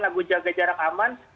lagu jaga jarak aman